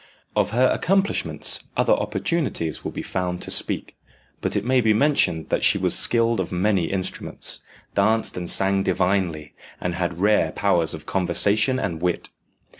Of her accomplishments other opportunities will be found to speak; but it may be mentioned that she was skilled on many instruments, danced and sang divinely, and had rare powers of conversation and wit.